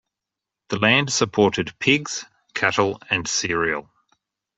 The land supported pigs, cattle and cereal.